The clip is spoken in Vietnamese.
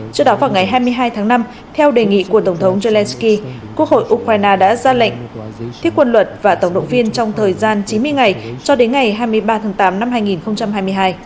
trước đó vào ngày hai mươi hai tháng năm theo đề nghị của tổng thống zelensky quốc hội ukraine đã ra lệnh thiết quân luật và tổng động viên trong thời gian chín mươi ngày cho đến ngày hai mươi ba tháng tám năm hai nghìn hai mươi hai